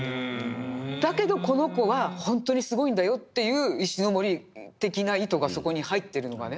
だけどこの子はほんとにすごいんだよっていう石森的な意図がそこに入ってるのがね。